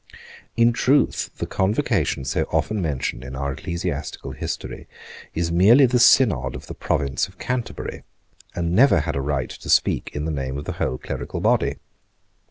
In truth the Convocation so often mentioned in our ecclesiastical history is merely the synod of the Province of Canterbury, and never had a right to speak in the name of the whole clerical body.